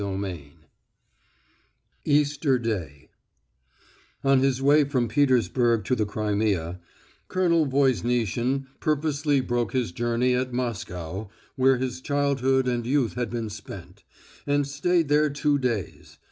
III EASTER DAY On his way from Petersburg to the Crimea Colonel Voznitsin purposely broke his journey at Moscow, where his childhood and youth had been spent, and stayed there two days.